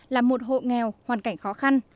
là một hộ nghèo hoàn cảnh khó khăn